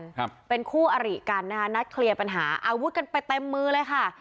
ครับเป็นคู่อริกันนะคะนัดเคลียร์ปัญหาอาวุธกันไปเต็มมือเลยค่ะ